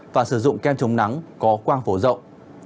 và sử dụng kem chống nắng có quang phổ rộng